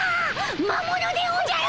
魔物でおじゃる！